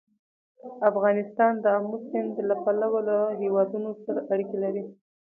افغانستان د آمو سیند له پلوه له هېوادونو سره اړیکې لري.